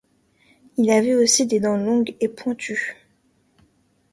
Il avait aussi des dents longues et pointues.